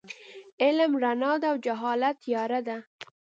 علم رڼا ده او جهالت تیاره.